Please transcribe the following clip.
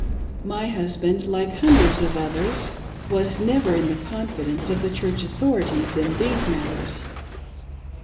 My husband, like hundreds of others, was never in the confi dence of the Church authorities in these matters.